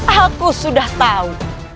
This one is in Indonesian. aku sudah tahu